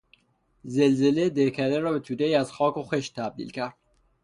زلزله دهکده را به تودهای از خاک و خشت تبدیل کرد.